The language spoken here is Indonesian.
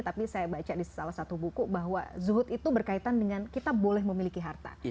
tapi saya baca di salah satu buku bahwa zuhud itu berkaitan dengan kita boleh memiliki harta